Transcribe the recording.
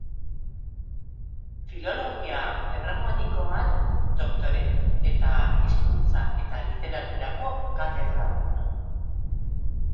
Filologia erromanikoan doktore eta hizkuntza eta literaturako katedraduna.